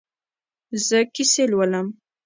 زه کیسې لولم